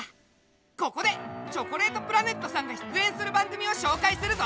ここでチョコレートプラネットさんが出演する番組を紹介するぞ！